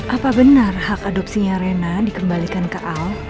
apa benar hak adopsinya rena dikembalikan ke al